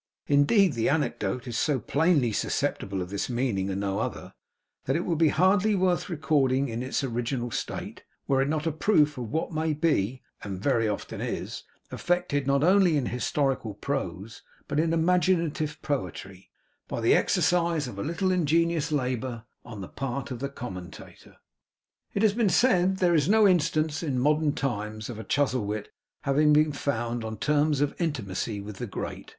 Indeed the anecdote is so plainly susceptible of this meaning and no other, that it would be hardly worth recording in its original state, were it not a proof of what may be (and very often is) affected not only in historical prose but in imaginative poetry, by the exercise of a little ingenious labour on the part of a commentator. It has been said that there is no instance, in modern times, of a Chuzzlewit having been found on terms of intimacy with the Great.